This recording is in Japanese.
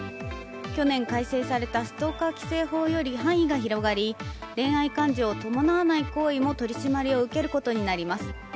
去年、改正されたストーカー規制法より範囲が広がり恋愛感情を伴わない行為も取り締まりを受けることになります。